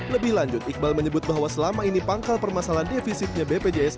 lebih lanjut iqbal menyebut bahwa selama ini pangkal permasalahan defisitnya bpjs